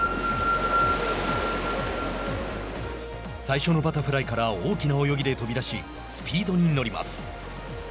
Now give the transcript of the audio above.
最初のバタフライから大きな泳ぎで飛び出しスピードに乗ります。